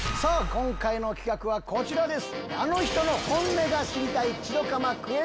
今回の企画はこちらです！